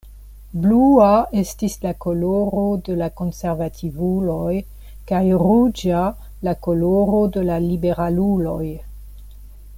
Blua estis la koloro de la konservativuloj, kaj ruĝa la koloro de la liberaluloj.